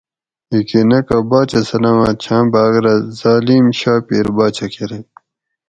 ھیکی نہ کو باچہ سلامت چھاں باگ رہ ظالم شاپیر باچہ کرۤئ